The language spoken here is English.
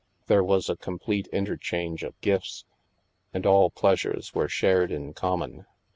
There was a complete interchange of gifts, and all pleasures were shared in common.